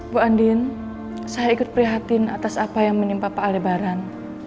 bu andin saya ikut prihatin atas apa yang menimpa pak al lebaran